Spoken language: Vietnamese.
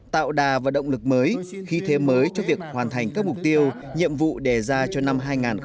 tạo đà và động lực mới khi thế mới cho việc hoàn thành các mục tiêu nhiệm vụ đề ra cho năm hai nghìn một mươi chín